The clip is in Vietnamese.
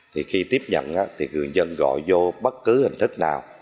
thì khi tiếp nhận thì người dân gọi vô bất cứ hình thức nào